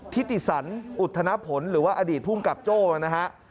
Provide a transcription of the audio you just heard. ทิติสันอุทธนผลหรือว่าอดีตภูมิกับโจ้นะฮะ